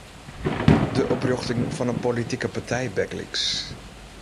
De oprjochting fan in politike partij bygelyks.